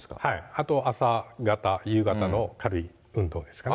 あと、朝方、夕方の軽い運動ですかね。